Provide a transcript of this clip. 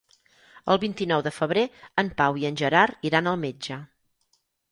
El vint-i-nou de febrer en Pau i en Gerard iran al metge.